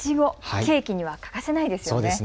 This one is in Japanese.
ケーキには欠かせないですね。